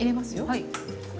はい。